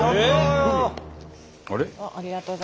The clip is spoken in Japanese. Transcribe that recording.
あれ？